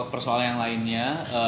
persoalan yang lainnya